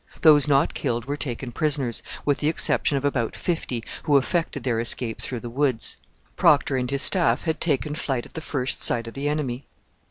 Those not killed were taken prisoners, with the exception of about fifty who effected their escape through the woods. Procter and his staff had taken flight at the first sight of the enemy.